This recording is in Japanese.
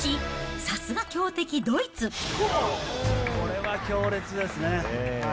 これは強烈ですね。